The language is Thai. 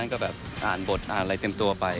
ก็แบบอ่านบทอ่านอะไรเต็มตัวไป